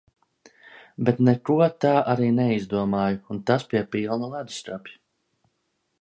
Bet neko tā arī neizdomāju, un tas pie pilna ledusskapja.